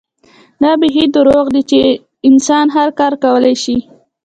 دا بيخي دروغ دي چې هر انسان هر کار کولے شي